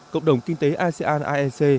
cộng đồng kinh tế asean aec